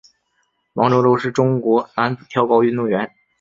王舟舟是中国男子跳高运动员。